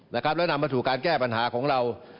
แล้วนำมาสู่การแก้ปัญหาของเรา